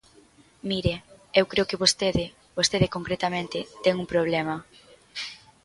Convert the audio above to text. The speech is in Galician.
Mire, eu creo que vostede, vostede concretamente, ten un problema.